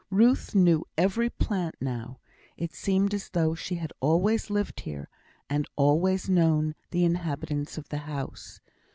Ruth knew every plant now; it seemed as though she had always lived here, and always known the inhabitants of the house.